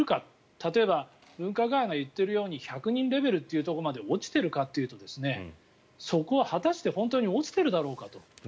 例えば分科会が言っているように１００人レベルというところまで落ちてるかというとそこは果たして本当に落ちているだろうかと。